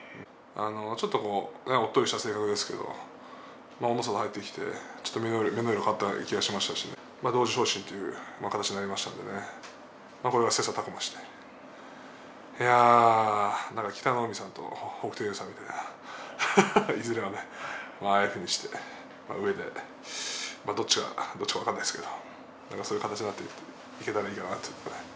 ちょっと、おっとりした性格ですけど大の里が入ってきて目の色が変わったような気がしますし同時昇進という話になりましたので切さたく磨して北の湖さんと北勝海さんみたいないずれはね、ああいうふうにしてどちらがどちらもありませんけどそういう形になっていけばいいかなと思っています